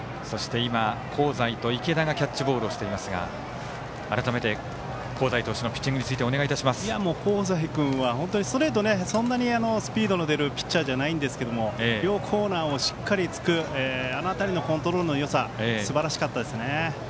香西と池田がキャッチボールをしていますが改めて香西投手のピッチングについて香西君はストレートそんなにスピードの出るピッチャーじゃないんですけど両コーナーをしっかり突くあの辺りのコントロールのよさすばらしかったですね。